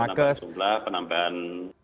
ya penambahan jumlah penambahan